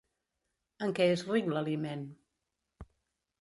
En què és ric l'aliment?